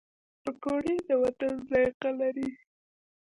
پکورې د وطن ذایقه لري